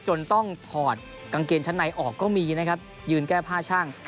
จนต้องถอดกางเกงชั้นในออกก็มีนะครับยืนแก้ผ้าชั่ง